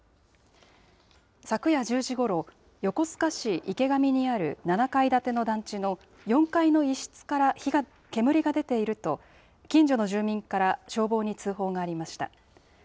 昨夜１０時ごろ、横須賀市池上にある７階建ての団地の４階の一室から煙が出ていると、近所の住民から消防に通報がありました。